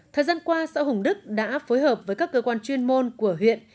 thời gian qua sở hùng đức đã phối hợp với các cơ quan chuyên môn của huyện